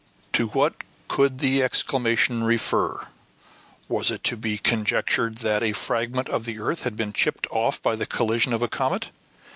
To what could the exclamation refer? Was it to be conjectured that a fragment of the earth had been chipped off by the collision of a comet?